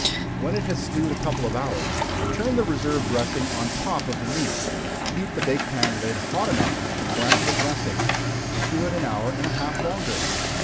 When it has stewed a couple of hours, turn the reserved dressing on top of the meat, heat the bake pan lid hot enough to brown the dressing, stew it an hour and a half longer.